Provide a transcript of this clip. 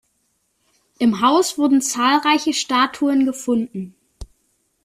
Im Haus wurden zahlreiche Statuen gefunden.